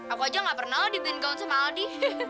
aku aja ga pernah di band gaun sama aldi